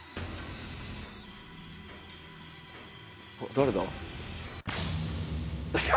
誰だ？